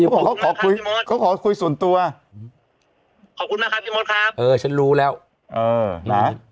ผมเขาขอคุยมดเขาขอคุยส่วนตัวขอบคุณนะครับพี่มดครับเออฉันรู้แล้วเออนะ